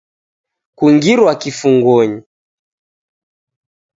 Kungirwa kifungonyi